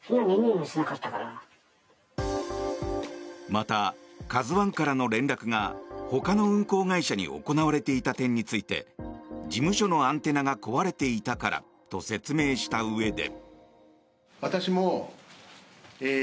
また「ＫＡＺＵ１」からの連絡がほかの運航会社に行われていた点について事務所のアンテナが壊れていたからと説明したうえで。